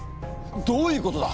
どういうことだ！？